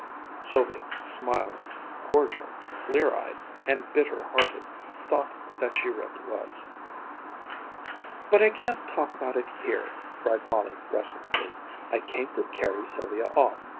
Sylvia, smiling, cordial, clear eyed and bitter hearted, thought that she really was. "But I can't talk about it here!" cried Molly restlessly. "I came to carry Sylvia off.